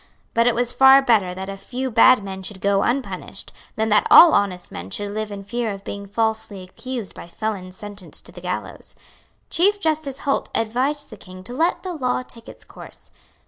But it was far better that a few bad men should go unpunished than that all honest men should live in fear of being falsely accused by felons sentenced to the gallows. Chief Justice Holt advised the King to let the law take its course.